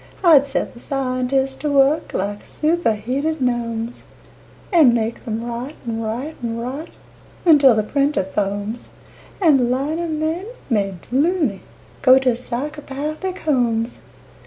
I'd set the scientists to work like superheated gnomes, And make them write and write and write until the printer foams And lino men, made "loony", go to psychopathic homes.